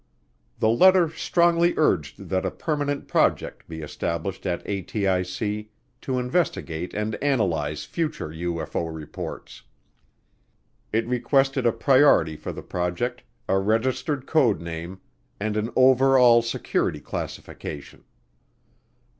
The letter strongly urged that a permanent project be established at ATIC to investigate and analyze future UFO reports. It requested a priority for the project, a registered code name, and an over all security classification.